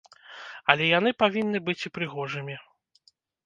Але яны павінны быць і прыгожымі.